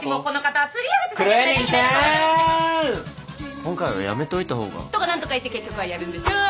今回はやめといた方が。とかなんとか言って結局はやるんでしょ！